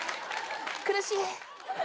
苦しい。